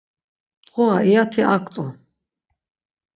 Mdğura iyati ak rt̆u.